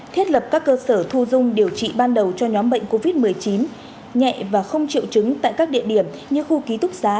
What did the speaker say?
thiết lập các cơ sở thu dung điều trị ban đầu cho nhóm bệnh covid một mươi chín nhẹ và không triệu chứng tại các địa điểm như khu ký túc xá